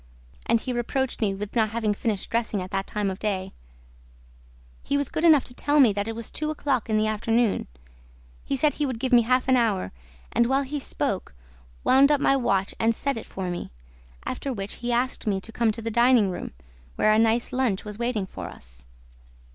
And he reproached me with not having finished dressing at that time of day: he was good enough to tell me that it was two o'clock in the afternoon. He said he would give me half an hour and, while he spoke, wound up my watch and set it for me. After which, he asked me to come to the dining room, where a nice lunch was waiting for us.